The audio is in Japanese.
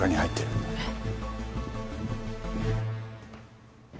えっ？